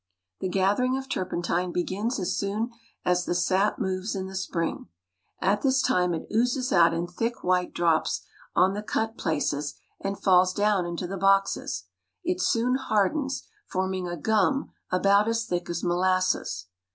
The gathering of tur pentine begins as soon as the sap moves in the spring. At this time it oozes out in thick white drops on the cut places and falls down into the boxes. It soon hardens, forming a gum about as thick as molasses.